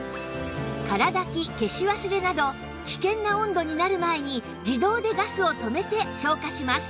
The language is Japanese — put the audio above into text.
空だき消し忘れなど危険な温度になる前に自動でガスを止めて消火します